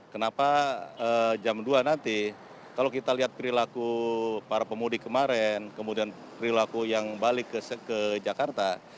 kenapa jam dua nanti kalau kita lihat perilaku para pemudik kemarin kemudian perilaku yang balik ke jakarta